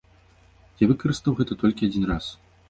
Я выкарыстаў гэта толькі адзін раз.